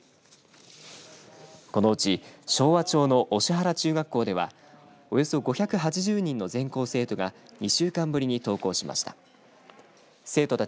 このうち昭和町の押原中学校ではおよそ５８０人の全校生徒が２週間ぶりに登校しました。